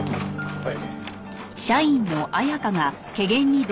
はい。